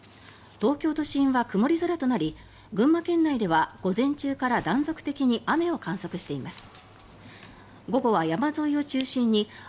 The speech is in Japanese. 東京都心は曇り空となり群馬県内では午前中から断続的に雨を観測しています。